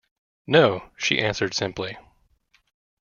"No," she answered simply.